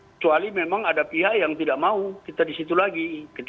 kecuali memang ada pihak yang tidak mau kita di situ lagi